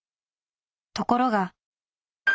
ところが。